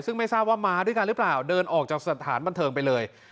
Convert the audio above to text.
ซึ่งไม่ทราบว่ามาด้วยกันหรือเปล่าเดินออกจากสถานบันเทิงไปเลย